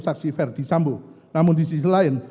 saksi freddy sambu namun di sisi lain